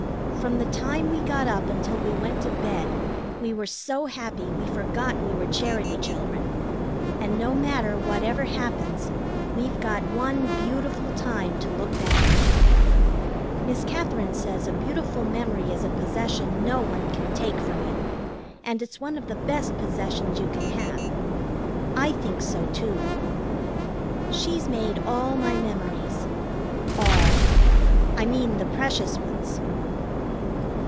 From the time we got up until we went to bed we were so happy we forgot we were Charity children; and no matter whatever happens, we've got one beautiful time to look back on. Miss Katherine says a beautiful memory is a possession no one can take from you, and it's one of the best possessions you can have. I think so, too. She's made all my memories. All. I mean the precious ones.